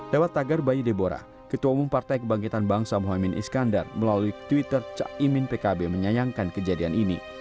lewat tagar bayi deborah ketua umum partai kebangkitan bangsa mohaimin iskandar melalui twitter caimin pkb menyayangkan kejadian ini